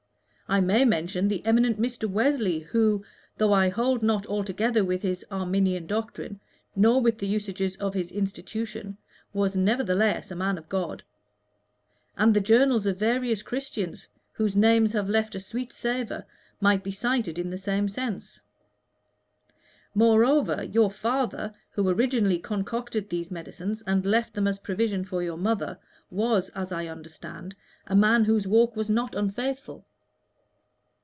I may mention the eminent Mr. Wesley, who, though I hold not altogether with his Arminian doctrine, nor with the usages of his institutions, was nevertheless a man of God; and the journals of various Christians whose names have left a sweet savor, might be cited in the same sense. Moreover, your father, who originally concocted these medicines and left them as a provision for your mother, was, as I understand, a man whose walk was not unfaithful."